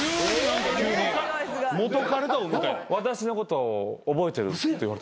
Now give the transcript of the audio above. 「私のこと覚えてる？」